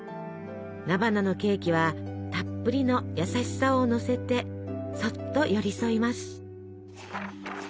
菜花のケーキはたっぷりの優しさをのせてそっと寄り添います。